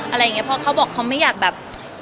อะไรอย่างนี้เพราะเขาบอกเขาไม่อยากแบบ